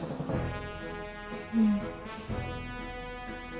うん。